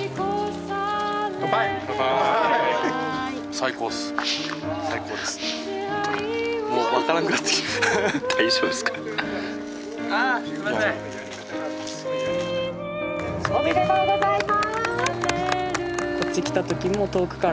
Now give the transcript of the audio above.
おめでとうございます！